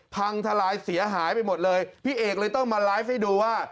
พังทลายเสียหายไปหมดเลยพี่เอกเลยต้องมาไลฟ์ให้ดูว่า